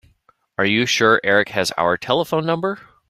Are you sure Erik has our telephone number?